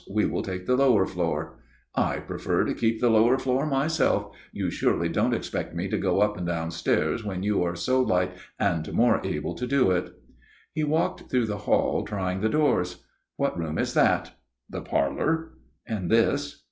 We will take the lower floor." "I prefer to keep the lower floor myself; you surely don't expect me to go up and down stairs when you are so light and more able to do it." He walked through the hall, trying the doors. "What room is that?" "The parlor." "And this?"